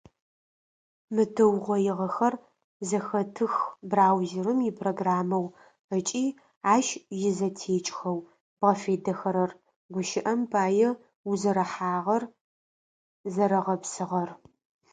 Мы тыугъоигъэхэр зэхэтых браузерым ипрограммэу ыкӏи ащ изэтекӏхэу бгъэфедэхэрэр, гущыӏэм пае, узэрэхьагъэр зэрэгъэпсыгъэр.